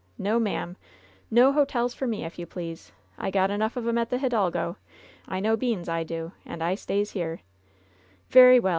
No, ma'am, no hotels for me, if you please. I got enough of 'em at the Hidalgo. I know beans, I do ; and I stays here :" "Very well.